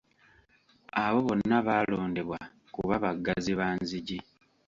Abo bonna baalondebwa kuba baggazi ba nzigi.